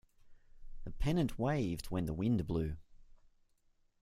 The pennant waved when the wind blew.